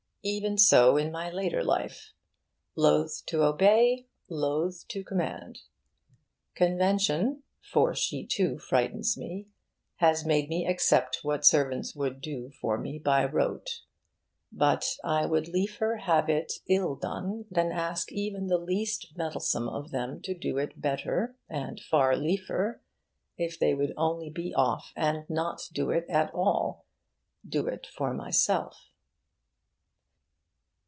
Even so in my later life. Loth to obey, loth to command. Convention (for she too frightens me) has made me accept what servants would do for me by rote. But I would liefer have it ill done than ask even the least mettlesome of them to do it better, and far liefer, if they would only be off and not do it at all, do it for myself.